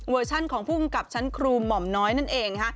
ของผู้กำกับชั้นครูหม่อมน้อยนั่นเอง